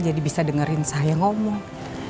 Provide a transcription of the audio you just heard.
jadi bisa dengerin saya ngomong